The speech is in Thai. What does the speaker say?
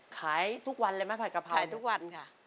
ขายทุกวันเลยมั้ยผัดกะเพรา